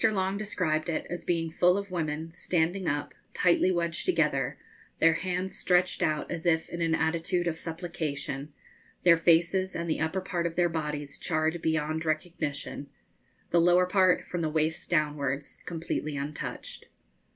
Long described it as being full of women, standing up, tightly wedged together, their hands stretched out as if in an attitude of supplication, their faces and the upper part of their bodies charred beyond recognition, the lower part, from the waist downwards, completely untouched.